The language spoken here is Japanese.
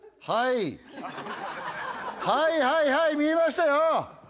はいはいはい見えましたよ！